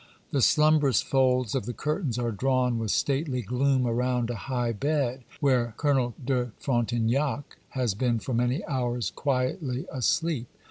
The slumbrous folds of the curtains are drawn with stately gloom around a high bed, where Colonel de Frontignac has been for many hours quietly asleep.